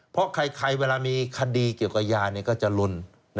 เพราะใครเวลามีคดีเกี่ยวกับยาก็จะลน